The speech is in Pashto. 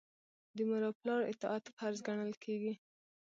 د مور او پلار اطاعت فرض ګڼل کیږي.